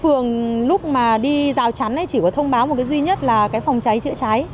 phường lúc mà đi rào chắn chỉ có thông báo một duy nhất là phòng cháy chữa cháy